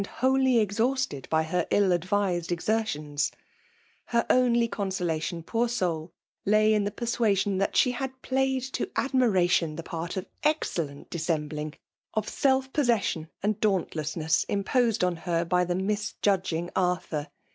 wholly. exhausted by her ill advised exer tions I Her only consolation, poor soul ! lay in the persuasion tliat she had played to admira tion the part of excellent dissembling, of self possession and dauntlessncss, imposed upon her by the misjudging Arthur.